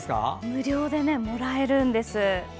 無料でもらえるんです。